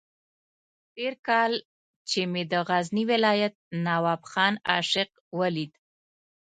تېر کال چې مې د غزني ولایت نواب خان عاشق ولید.